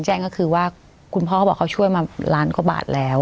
แจ้งก็คือว่าคุณพ่อเขาบอกเขาช่วยมาล้านกว่าบาทแล้ว